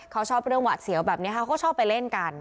เขาชอบเรื่องหวาดเสียวแบบนี้เขาก็ชอบไปเล่นกัน